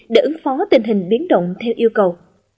để ứng phó tình hình biến động theo yêu cầu